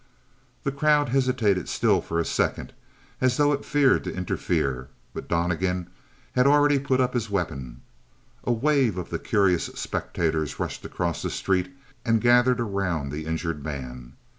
The crowd hesitated still for a second, as though it feared to interfere; but Donnegan had already put up his weapon. A wave of the curious spectators rushed across the street and gathered around the injured man.